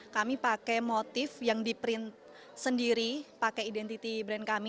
kami pakai motif yang di print sendiri pakai identity brand kami